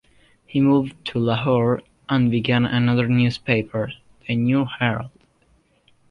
He moved to Lahore and began another newspaper, the "New Herald".